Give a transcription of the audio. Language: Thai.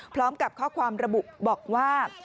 พร้อมกับข้อความระบุบอกว่า